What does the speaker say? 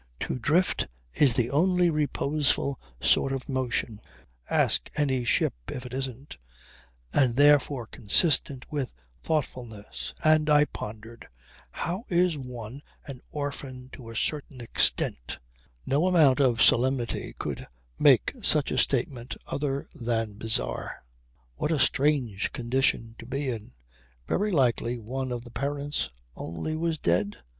To drift is the only reposeful sort of motion (ask any ship if it isn't) and therefore consistent with thoughtfulness. And I pondered: How is one an orphan "to a certain extent"? No amount of solemnity could make such a statement other than bizarre. What a strange condition to be in. Very likely one of the parents only was dead?